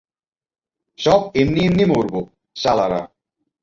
সব এমনি এমনিই মরবো, শালারা।